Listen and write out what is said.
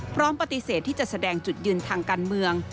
พร้อมปฏิเสธที่จะแสดงจุดยืนทางการเมือง